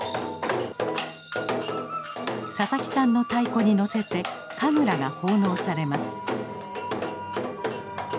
佐々木さんの太鼓にのせて神楽が奉納されます。